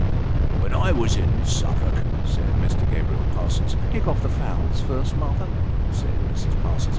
" When I was in Suffolk," said Mr. Gabriel Parsons "Take off the fowls first, Martha," said Mrs. Parsons.